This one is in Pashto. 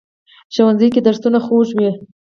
ښوونځی کې درسونه خوږ وي